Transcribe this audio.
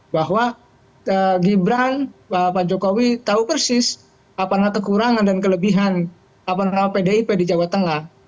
bahwa gibran pak jokowi tahu persis apa namanya kekurangan dan kelebihan pdip di jawa tengah